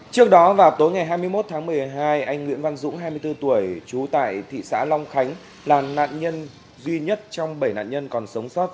trước đó vào tối ngày hai mươi một tháng một mươi hai anh nguyễn văn dũng hai mươi bốn tuổi trú tại thị xã long khánh là nạn nhân duy nhất trong bảy nạn nhân còn sống sót